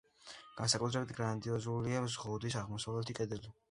განსაკუთრებით გრანდიოზულია ზღუდის აღმოსავლეთი კედელი.